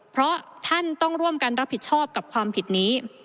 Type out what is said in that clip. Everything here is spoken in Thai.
เพราะท่านต้องร่วมกันรับผิดชอบกับความผิดนี้